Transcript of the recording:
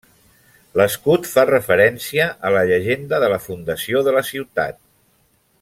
L'escut fa referència a la llegenda de la fundació de la ciutat.